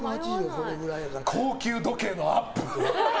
高級時計のアップ！